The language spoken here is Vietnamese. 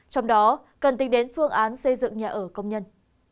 trong đó cần tính đến phương án xây dựng nhà ở công nhân